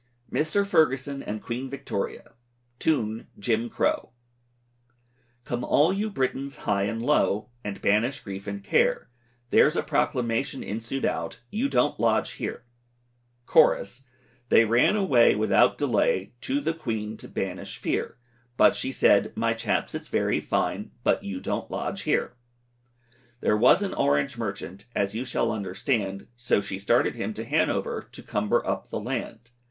MR. FERGUSON AND QUEEN VICTORIA. TUNE "Jim Crow." Come all you Britons high and low, And banish grief and care, There's a proclamation insued out, "You don't lodge here!" CHORUS. They ran away without delay, To the Queen to banish fear, But she said, my chaps, its very fine, But you don't lodge here. There was an Orange merchant. As you shall understand, So she started him to Hannover, To cumber up the land.